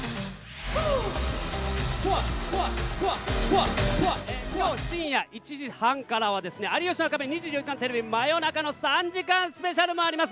今日深夜１時半からは有吉の壁２４時間テレビ真夜中の３時間スペシャルもあります。